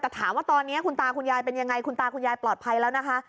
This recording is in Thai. แต่ถามว่าตอนนี้คุณตาคุณยายเป็นยังไงคุณตาคุณยายปลอดภัยแล้วนะคะ